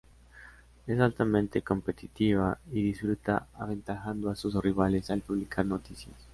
Es altamente competitiva, y disfruta aventajando a sus rivales al publicar noticias.